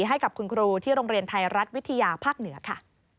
ให้กับคุณครูที่โรงเรียนไทยรัฐวิทยาภาคเหนือค่ะ